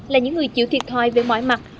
là những người chịu thiệt thoại về mọi mặt